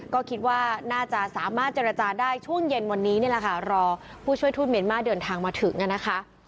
ก็คิดว่าน่าจะสามารถเจรจาได้ช่วงเย็นวันนี้นี่แหละค่ะรอผู้ช่วยทูตเมียนมาร์เดินทางมาถึงนะคะ